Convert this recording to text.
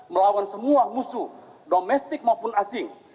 melawan semua musuh domestik maupun asing